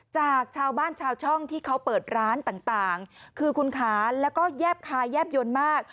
จากชาวบ้านชาวช่องที่เขาเปิดร้านต่างคือคุณค้าแล้วก็แยบคายแยบยนต์มาก